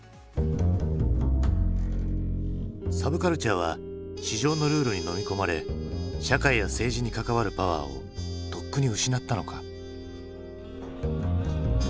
サブカルチャーは市場のルールにのみ込まれ社会や政治に関わるパワーをとっくに失ったのか。